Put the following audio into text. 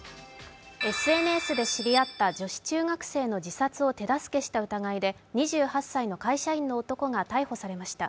ＳＮＳで知り合った女子中学生の自殺を手助けした疑いで２８歳の会社員の男が逮捕されました。